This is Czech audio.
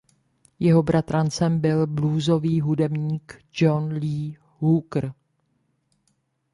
Jeho bratrancem byl bluesový hudebník John Lee Hooker.